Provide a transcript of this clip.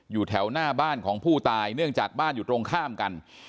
อยู่แถวหน้าบ้านของผู้ตายเนื่องจากบ้านอยู่ตรงข้ามกัน